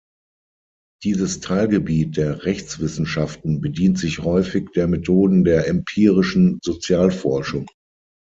Dieses Teilgebiet der Rechtswissenschaften bedient sich häufig der Methoden der empirischen Sozialforschung.